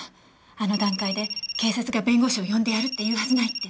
あの段階で警察が弁護士を呼んでやるって言うはずないって。